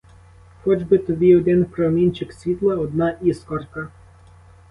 Хоч би тобі один промінчик світла, одна іскорка.